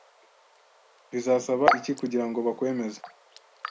Bizasaba iki kugirango bakwemeze?